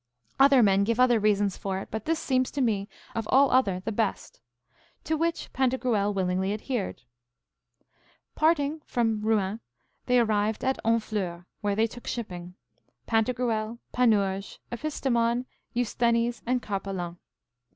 Other men give other reasons for it, but this seems to me of all other the best. To which Pantagruel willingly adhered. Parting from Rouen, they arrived at Honfleur, where they took shipping, Pantagruel, Panurge, Epistemon, Eusthenes, and Carpalin.